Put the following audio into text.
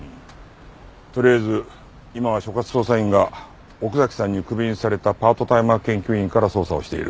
とりあえず今は所轄捜査員が奥崎さんにクビにされたパートタイマー研究員から捜査をしている。